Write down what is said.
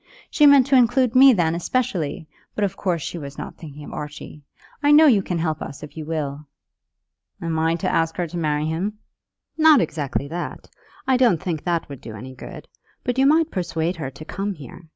She meant to include me then especially, but of course she was not thinking of Archie. I know you can help us if you will." "Am I to ask her to marry him?" "Not exactly that; I don't think that would do any good. But you might persuade her to come here.